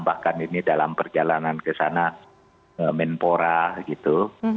bahkan ini dalam perjalanan ke sana menpora gitu